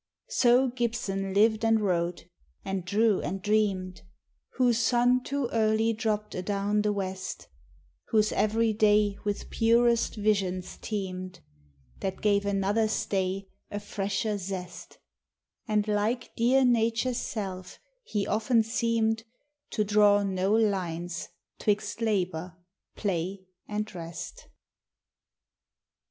So Gibson lived and wrote, and drew and dreamed, Whose sun too early dropped adown the west, Whose every day with purest visions teemed, That gave another's day a fresher zest; And like dear Nature's self he often seemed To draw no lines twixt labor, play and rest.